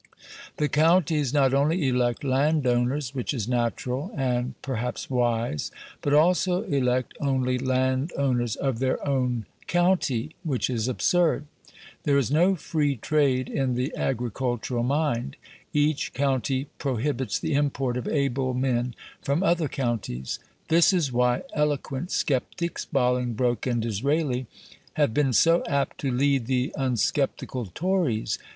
The counties not only elect landowners, which is natural, and perhaps wise, but also elect only landowners OF THEIR OWN COUNTY, which is absurd. There is no free trade in the agricultural mind; each county prohibits the import of able men from other counties. This is why eloquent sceptics Bolingbroke and Disraeli have been so apt to lead the unsceptical Tories.